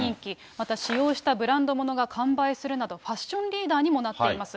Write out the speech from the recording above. また使用したブランド物が完売するなど、ファッションリーダーにもなっています。